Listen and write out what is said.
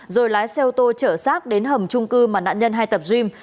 rồi lái xe ô tô trở sát đến hầm trung cư mà nạn nhân hay tập gym